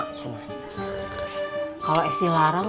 kalau esi larang